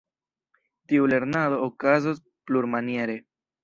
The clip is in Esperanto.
Tiu lernado okazos plurmaniere.